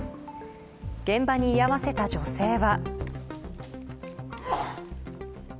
現場に居合わせた女性は。